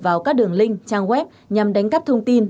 vào các đường link trang web nhằm đánh cắp thông tin